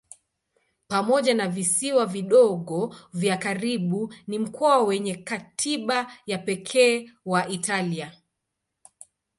Pamoja na visiwa vidogo vya karibu ni mkoa wenye katiba ya pekee wa Italia.